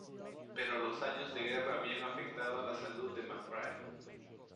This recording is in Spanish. Pero los años de guerra habían afectado a la salud de McCrae.